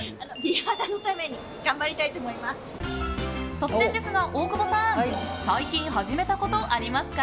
突然ですが、大久保さん最近始めたことありますか？